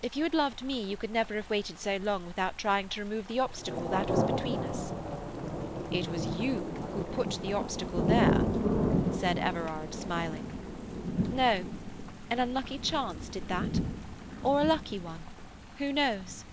If you had loved me you could never have waited so long without trying to remove the obstacle that was between us." "It was you who put the obstacle there," said Everard, smiling. "No. An unlucky chance did that. Or a lucky one. Who knows?"